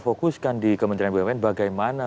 fokuskan di kementerian bumn bagaimana